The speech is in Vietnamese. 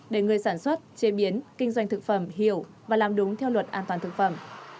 để người sản xuất chế biến kinh doanh thực phẩm hiểu và làm đúng theo luật an toàn thực phẩm